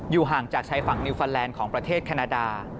ห่างจากชายฝั่งนิวฟาแลนด์ของประเทศแคนาดา